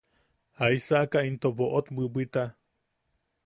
¿Jaisaaka into boʼot bwibwita?